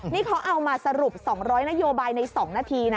นี่เขาเอามาสรุป๒๐๐นโยบายใน๒นาทีนะ